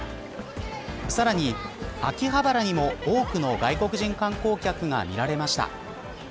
さらに、秋葉原にも多くの外国人観光客が見られました。